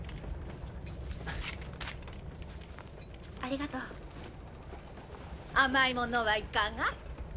ありがとう・甘いものはいかが？